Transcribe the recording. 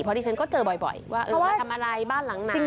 เพราะดิฉันก็เจอบ่อยว่าเออมาทำอะไรบ้านหลังไหน